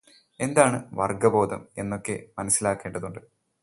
എന്താണ് വർഗബോധം എന്നൊക്കെ മനസിലാക്കേണ്ടതുണ്ട്.